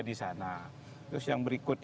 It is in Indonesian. di sana terus yang berikut